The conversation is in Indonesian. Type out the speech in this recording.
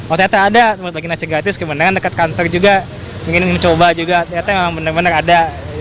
otet ada sebagai nasi gratis kemenangan dekat kantor juga ingin mencoba juga bener bener ada